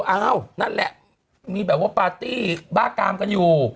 อ้าวนั่นแหละมีแบบว่าปาร์ตี้บ้ากามกันอยู่